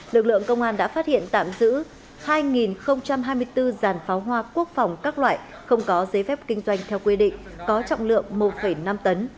lực lượng công an đã phát hiện tạm giữ hai hai mươi bốn giàn pháo hoa quốc phòng các loại không có giấy phép kinh doanh theo quy định có trọng lượng một năm tấn